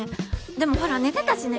でもほら寝てたしね